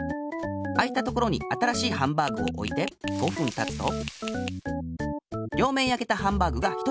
あいたところに新しいハンバーグをおいて５ふんたつと両面やけたハンバーグが１つできあがる。